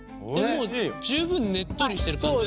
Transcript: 十分ねっとりしてる感じ。